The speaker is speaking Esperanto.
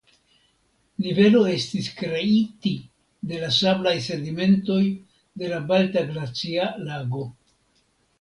Nivelo estis kreiti de la sablaj sedimentoj de la Balta Glacia Lago.